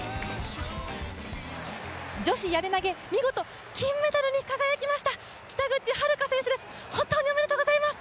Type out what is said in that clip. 女子やり投、見事金メダルに輝きました北口榛花選手です、本当におめでとうございます！